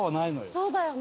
そうだよな。